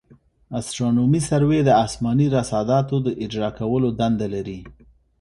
استرونومي سروې د اسماني رصاداتو د اجرا کولو دنده لري